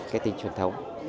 cái tình truyền thống